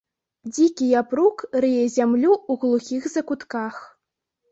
Дзікі япрук рые зямлю ў глухіх закутках.